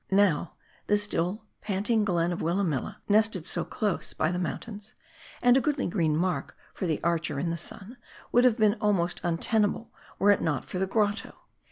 Now, the still, panting glen of Willamilla, nested so close by the mountains, and a goodly green mark for the archer in the sun, would have been almost untenable were it not for the grotto.